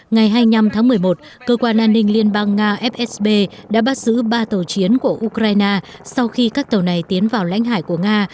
ngày hai mươi năm tháng một mươi một cơ quan an ninh liên bang nga fsb đã bắt giữ ba tàu chiến của ukraine sau khi các tàu này tiến vào lãnh hải của nga